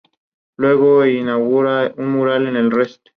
Cuando se mudó a los Estados Unidos cambió la pronunciación de su apellido.